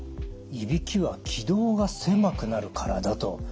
いびきは気道が狭くなるからだと。